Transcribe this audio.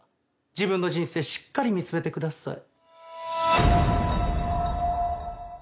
自分の人生しっかり見つめてください。